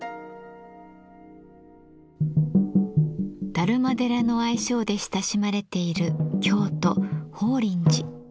達磨寺の愛称で親しまれている京都法輪寺。